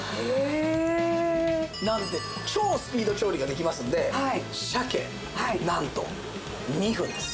えーっ！なので超スピード調理ができますので鮭なんと２分です。